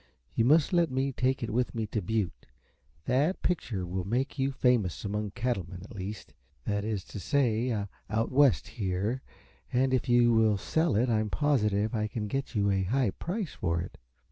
You must let me take it with me to Butte. That picture will make you famous among cattlemen, at least. That is to say, out West, here. And if you will sell it I am positive I can get you a high price for it."